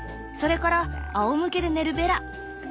それからあおむけで寝るベラ！